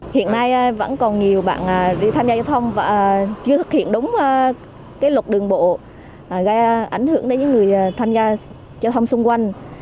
hiện nay vẫn còn nhiều bạn đi tham gia giao thông và chưa thực hiện đúng cái luật đường bộ gây ảnh hưởng đến những người tham gia giao thông xung quanh